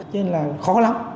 cho nên là khó lắm